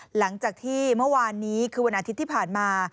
หลังจากที่เมื่อวานนี้คือวันอาทิตย์ที่ผ่านมา